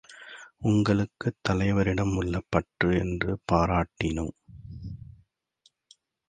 உங்களுக்குத் தலைவரிடம் உள்ள பற்று என்று பாராட்டினோம்.